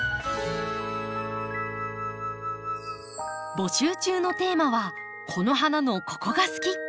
募集中のテーマは「この花のここが好き！」。